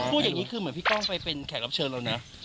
พูดอย่างนี้คือเหมือนพี่ก้องไปเป็นแขกรับเชิญเรานะ